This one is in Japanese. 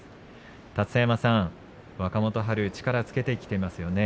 立田山さん、若元春力つけてきていますよね。